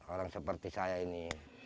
orang seperti saya ini